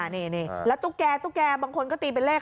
นี่แล้วตุ๊กแก่ตุ๊กแกบางคนก็ตีเป็นเลข